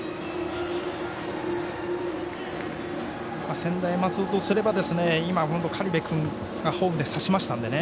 専大松戸とすれば今、苅部君がホームで刺しましたので。